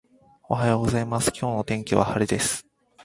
おはようございます、今日の天気は晴れです。